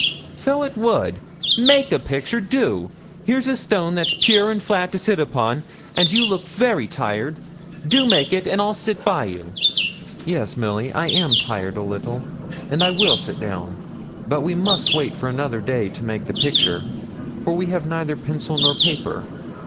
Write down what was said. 'So it would. Make a picture do! here's a stone that's pure and flat to sit upon, and you look very tired. Do make it, and I'll sit by you.' 'Yes, Milly, I am tired, a little, and I will sit down; but we must wait for another day to make the picture, for we have neither pencil nor paper.